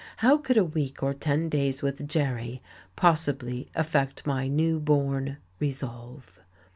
How could a week or ten days with Jerry possibly affect my newborn, resolve?